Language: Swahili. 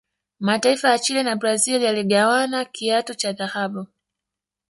mataifa ya Chile na brazil yaligawana kiatu cha dhahabu